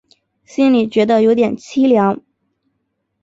心里觉得有点凄凉